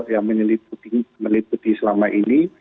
yang mengeliputi selama ini